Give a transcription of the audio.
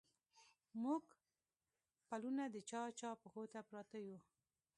موږه پلونه د چا، چا پښو ته پراته يو